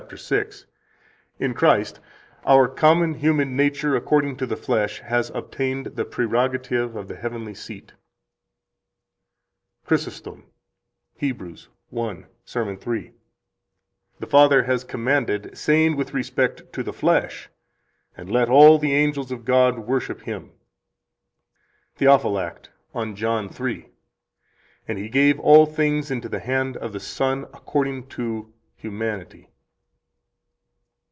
6 (p. 108): "In Christ our common [human] nature, according to the flesh, has obtained the prerogative of the heavenly seat." 50 CHRYSOSTOM, Heb, 1, Serm. 3, p. 117 (tom. 4; Homilies, 3, p. 1493): "[The Father has commanded] Saying with respect to the flesh, And let all the angels of God worship Him." 51 THEOPHYLACT, on John 3 (p. 235; ed. Paris, 1631, f. 605): "And He gave all things into the hand of the Son, according to humanity."